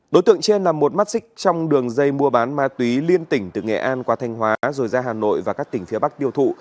đối tượng trên là một mắt xích trong đường dây mua bán ma túy liên tỉnh từ nghệ an qua thanh hóa rồi ra hà nội và các tỉnh phía bắc tiêu thụ